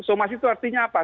somasi itu artinya apa